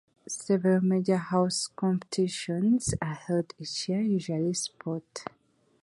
Several major house competitions are held each year, usually sport.